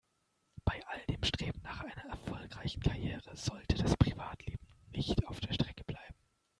Bei all dem Streben nach einer erfolgreichen Karriere sollte das Privatleben nicht auf der Strecke bleiben.